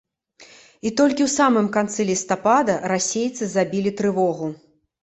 І толькі ў самым канцы лістапада расейцы забілі трывогу.